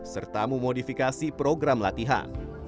serta memodifikasi program latihan